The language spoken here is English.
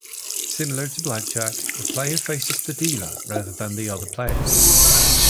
Similar to blackjack, the player faces the dealer, rather than the other players.